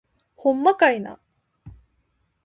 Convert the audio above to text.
ほんまかいな